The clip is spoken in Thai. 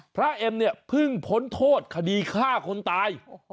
พระเอ็มเพิ่งพ้นโทษคดีฆ่าคนตาย